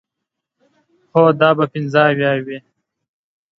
هو، دا به پنځه اویا وي.